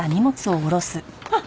あっ！